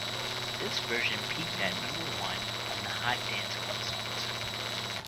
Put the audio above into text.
This version peaked at number-one on the Hot Dance Club Songs.